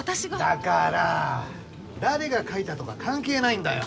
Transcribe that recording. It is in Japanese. だから誰が書いたとか関係ないんだよ！